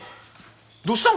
どうしたん？